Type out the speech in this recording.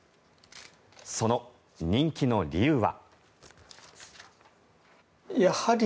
その人気の理由は。